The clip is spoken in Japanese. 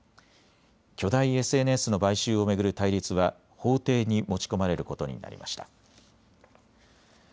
巨大ＳＮＳの買収を巡る対立は法廷に持ち込まれることになりました。